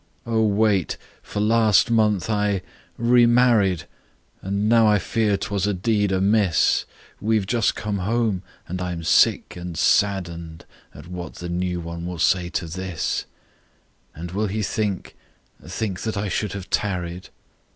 "O wait! For last month I—remarried! And now I fear 'twas a deed amiss. We've just come home. And I am sick and saddened At what the new one will say to this; And will he think—think that I should have tarried?